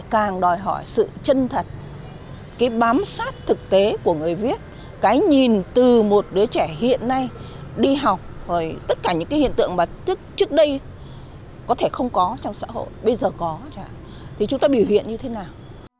cái sự chân thành hồn nhiên khi thực hiện những biểu trưng nguồn thủa của văn học